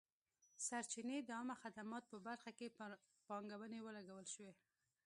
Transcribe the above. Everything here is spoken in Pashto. سرچینې د عامه خدماتو په برخه کې پر پانګونې ولګول شوې.